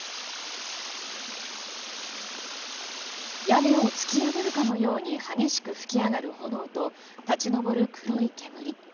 屋根を突き破るかのように激しく噴き上がる炎と立ち上る黒い煙。